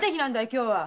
今日は！